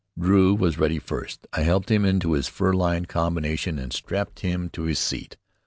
Drew was ready first. I helped him into his fur lined combination and strapped him to his seat.